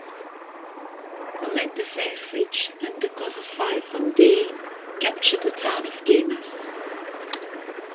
Commander Selfridge, under cover fire from "Dale", captured the town of Guaymas.